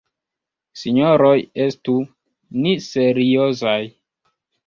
Sinjoroj estu ni seriozaj.